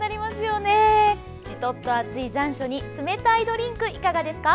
じとっと暑い残暑に冷たいドリンクいかがですか。